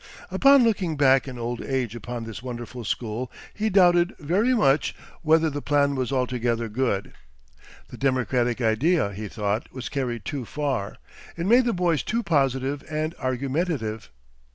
Upon looking back in old age upon this wonderful school, he doubted very much whether the plan was altogether good. The democratic idea, he thought, was carried too far; it made the boys too positive and argumentative.